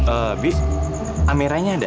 eh bik ameranya ada